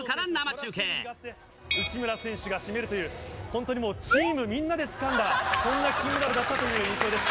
内村選手が締めるという、本当にもう、チームみんなでつかんだ、そんな金メダルだったという印象です。